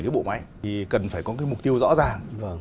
cái bộ máy thì cần phải có cái mục tiêu rõ ràng